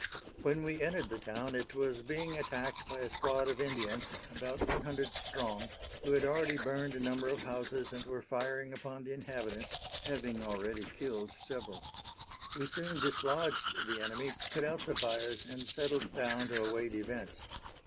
When we entered the town it was being attacked by a squad of Indians, about one hundred strong, who had already burned a number of houses and were firing upon the inhabitants, having already killed several. We soon dislodged the enemy, put out the fires, and settled down to await events.